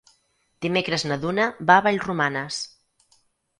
Dimecres na Duna va a Vallromanes.